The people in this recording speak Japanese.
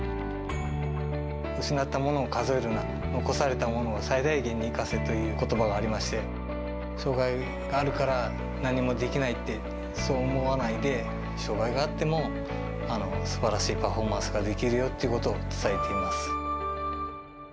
失ったものを数えるな、残されたものを最大限に生かせということばがありまして、障がいがあるから何もできないって、そう思わないで、障がいがあっても、すばらしいパフォーマンスができるよってことを伝えています。